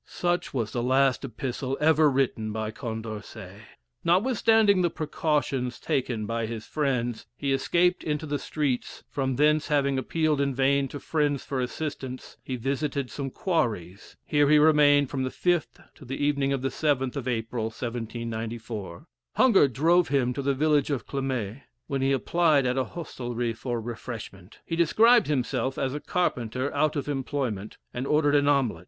'" Such was the last epistle ever written by Condorcet. Notwithstanding the precautions taken by his friends, he escaped into the streets from thence having appealed in vain to friends for assistance, he visited some quarries. Here he remained from the 5th to the evening of the 7th of April, 1794. Hunger drove him to the village of Clamait, when he applied at an hostelry for refreshment. He described himself as a carpenter out of employment, and ordered an omelet.